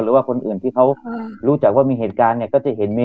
หรือว่าคนอื่นที่เขารู้จักว่ามีเหตุการณ์เนี่ยก็จะเห็นมี